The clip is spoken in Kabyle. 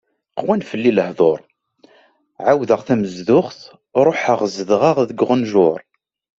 Qwan fell-i lehḍur, ɛawdeɣ tamezduɣt ruḥeɣ zedɣeɣ deg uɣenǧur.